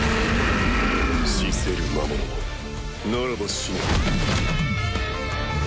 死せる魔物ならば死ね。